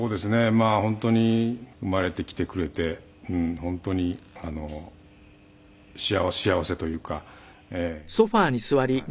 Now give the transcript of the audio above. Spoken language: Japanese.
まあ本当に生まれてきてくれて本当に幸せというか。